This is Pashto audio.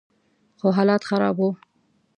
خو حالات خراب ول.